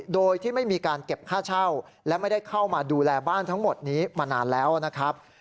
โดยที่ไม่มีการเก็บค่าเช่าและไม่ได้เข้ามาดูแลบ้านทั้งหมดนี้มานานแล้วนะครับ